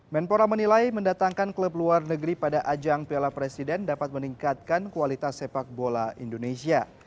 menpora menilai mendatangkan klub luar negeri pada ajang piala presiden dapat meningkatkan kualitas sepak bola indonesia